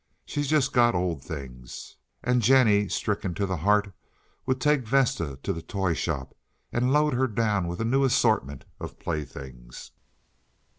She's just got old things." And Jennie, stricken to the heart, would take Vesta to the toy shop, and load her down with a new assortment of playthings.